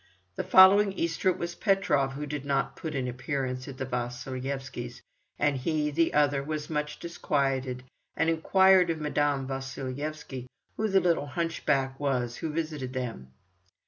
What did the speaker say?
The following Easter it was Petrov who did not put in an appearance at the Vasilyevskys', and he, the other, was much disquieted, and inquired of Madame Vasilyevsky who the little hunchback was who visited them.